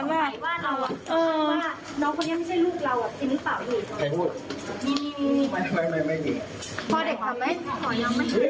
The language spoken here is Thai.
มีคนอภัยว่าน้องคนนี้ไม่ใช่ลูกเราจริงหรือเปล่า